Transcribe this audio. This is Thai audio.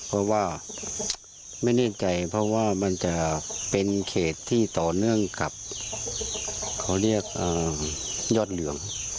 เพราะว่าไม่แน่ใจเพราะว่ามันจะเป็นเขตที่ต่อเนื่องกับเขาเรียกยอดเหลือง